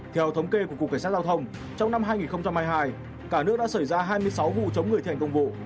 theo thống kê của cục cảnh sát giao thông trong năm hai nghìn hai mươi hai cả nước đã xảy ra hai mươi sáu vụ chống người thi hành công vụ